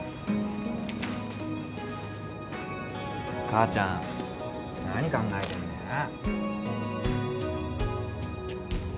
母ちゃん何考えてんだよな。